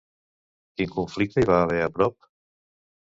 Quin conflicte hi va haver a prop?